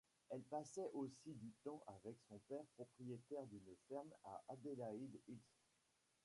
Elle passait aussi du temps avec son père propriétaire d'une ferme à Adelaide Hills.